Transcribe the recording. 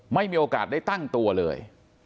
ไม่มีโอกาสได้ตั้งตัวเลย